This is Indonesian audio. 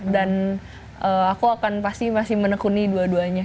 dan aku pasti akan masih menekuni dua duanya